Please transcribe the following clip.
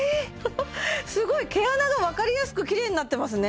すごい毛穴が分かりやすくきれいになってますね